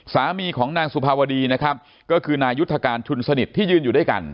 สามีของนางสุภาวดีนะครับก็คือนายุทธการชุนสนิทที่ยืนอยู่ด้วยกัน